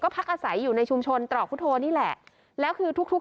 พักอาศัยอยู่ในชุมชนตรอกพุทธโทนี่แหละแล้วคือทุกทุก